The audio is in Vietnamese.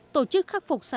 tổ chức khắc phục sản xuất